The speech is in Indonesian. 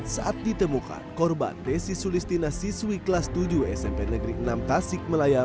saat ditemukan korban desi sulistina siswi kelas tujuh smp negeri enam tasik malaya